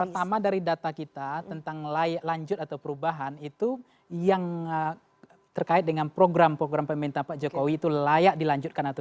pertama dari data kita tentang lanjut atau perubahan itu yang terkait dengan program pokok politik itu ya